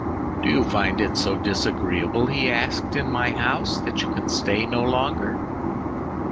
"Do you find it so disagreeable," he asked, "in my house, that you can stay no longer?"